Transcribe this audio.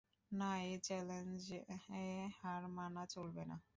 না, এ চ্যালেঞ্জে হার মানা চলবে না।